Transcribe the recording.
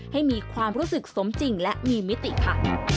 ให้มีความรู้สึกสมจริงและมีมิติค่ะ